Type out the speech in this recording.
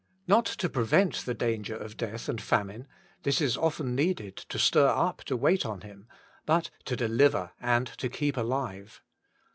Not to prevent the danger of death and famine — this is often needed to stir up to wait on Him — but to deliver and to keep alive.